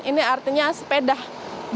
ini artinya sepeda bom